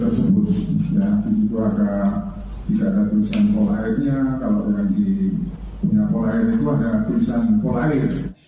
nah di situ ada jika ada tulisan pol airnya kalau ada di punya pol air itu ada tulisan pol air